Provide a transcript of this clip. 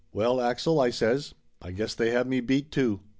"Well, Axel," I says, "I guess they have me beat, too.